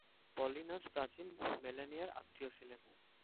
পলিনাস প্রাচীন মেলানিয়ার আত্মীয় ছিলেন।